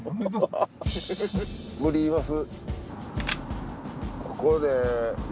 無理いいます。